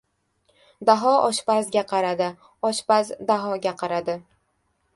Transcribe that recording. Daho oshpazga qaradi, oshpaz Dahoga qaradi.